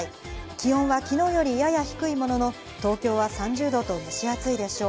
気温は昨日よりやや低いものの、東京は３０度と蒸し暑いでしょう。